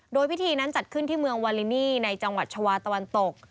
โดยพิธีนั้นจัดขึ้นที่เมืองวาลินีในจังหวัดชาวาตะวันตก